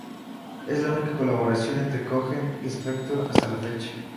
Es la única colaboración entre Cohen y Spector hasta la fecha.